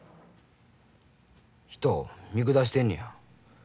人を見下してんねや。